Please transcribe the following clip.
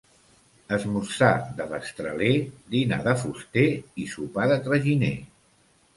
Esmorzar de destraler, dinar de fuster i sopar de traginer.